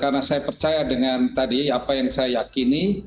karena saya percaya dengan tadi apa yang saya yakini